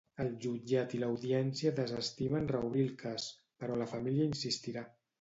El jutjat i l'Audiència desestimen reobrir el cas, però la família insistirà.